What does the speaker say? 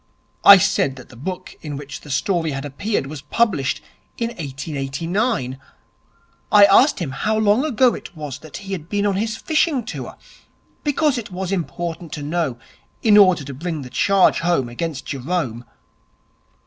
I said that the book in which the story had appeared was published in 1889. I asked him how long ago it was that he had been on his fishing tour, because it was important to know in order to bring the charge home against Jerome.